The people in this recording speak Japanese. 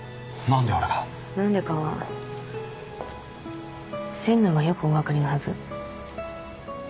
なんでかは専務がよくおわかりのはず。